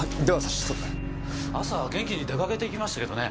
朝は元気に出かけていきましたけどね。